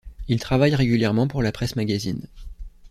Il travaille régulièrement pour la presse magazine.